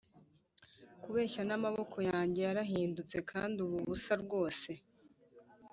kubeshya n'amaboko yanjye yarahindutse kandi uba ubusa rwose.